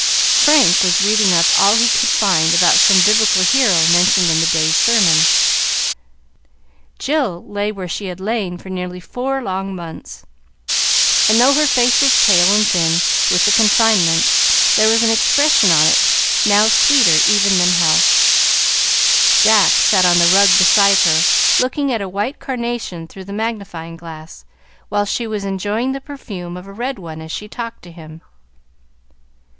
Frank was reading up all he could find about some Biblical hero mentioned in the day's sermon; Jill lay where she had lain for nearly four long months, and though her face was pale and thin with the confinement, there was an expression on it now sweeter even than health. Jack sat on the rug beside her, looking at a white carnation through the magnifying glass, while she was enjoying the perfume of a red one as she talked to him.